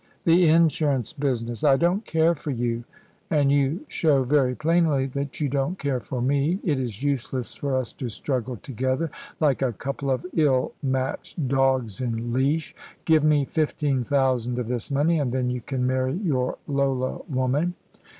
"The insurance business. I don't care for you, and you show very plainly that you don't care for me. It is useless for us to struggle together like a couple of ill matched dogs in leash. Give me fifteen thousand of this money, and then you can marry your Lola woman."